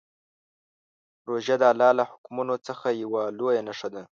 روژه د الله له حکمونو څخه یوه لویه نښه ده.